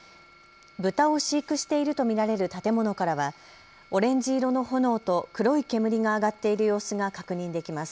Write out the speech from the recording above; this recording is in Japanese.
豚を飼育していると見られる建物からはオレンジ色の炎と黒い煙が上がっている様子が確認できます。